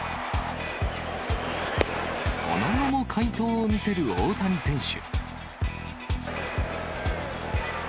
その後も快投を見せる大谷選手。